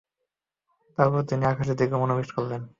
তারপর তিনি আকাশের দিকে মনোনিবেশ করেন।